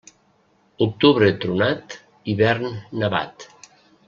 Octubre tronat, hivern nevat.